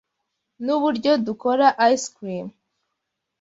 Nuburyo dukora ice cream.